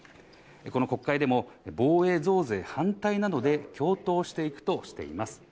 この国会でも、防衛増税反対などで共闘していくとしています。